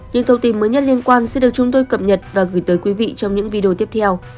những thông tin mới nhất liên quan sẽ được chúng tôi cập nhật và gửi tới quý vị trong những video tiếp theo